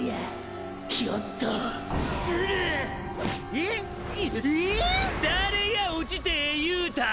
いい⁉誰が落ちてええ言うたん？